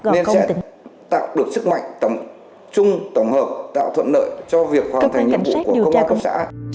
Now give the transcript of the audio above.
nên sẽ tạo được sức mạnh tổng hợp tạo thuận lợi cho việc hoàn thành nhiệm vụ của công an cấp xã